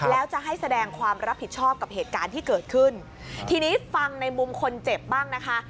แล้วจะให้แสดงความรับผิดชอบกับเหตุการณ์ที่เกิดขึ้นทีนี้ฟังในมุมคนเจ็บบ้างนะคะ